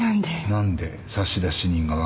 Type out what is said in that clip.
何で差出人が分かったのか。